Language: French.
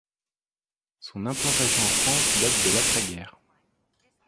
Son implantation en France date de l’après-guerre.